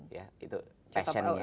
itu passionnya dia